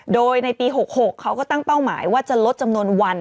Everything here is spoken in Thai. โดยในปี๖๖เขาก็ตั้งเป้าหมายว่าจะลดจำนวนวัน